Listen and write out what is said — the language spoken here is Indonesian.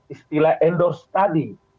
istilah endorse tadi